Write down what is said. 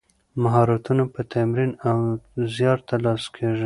مهارتونه په تمرین او زیار ترلاسه کیږي.